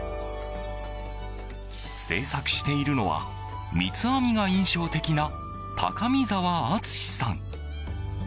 制作しているのは三つ編みが印象的な高見澤篤さん。